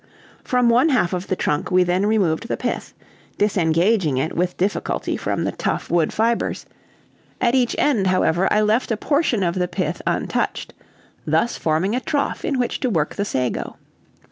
From one half of the trunk we then removed the pith, disengaging it, with difficulty, from the tough wood fibers; at each end, however, I left a portion of the pith untouched, thus forming a trough in which to work the sago.